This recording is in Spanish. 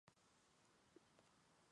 Es el mayor edificio religioso de Sajonia.